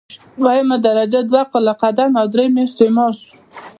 دوهمه درجه دوه کاله قدم او درې میاشتې معاش.